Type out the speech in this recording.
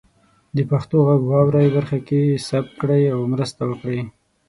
د پښتو غږ واورئ برخه کې ثبت کړئ او مرسته وکړئ.